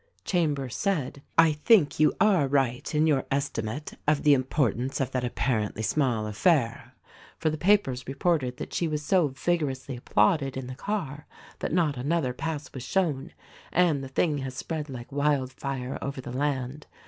Chambers said, "I think you are right in your estimate of the importance of that apparently small affair ; for the papers reported that she was so vigorously applauded in the car that not another pass was shown, and the thing has spread like wildfire over the land.